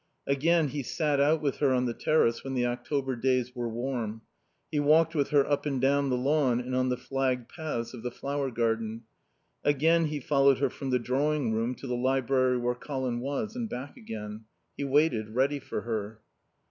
Again he sat out with her on the terrace when the October days were warm; he walked with her up and down the lawn and on the flagged paths of the flower garden. Again he followed her from the drawing room to the library where Colin was, and back again. He waited, ready for her.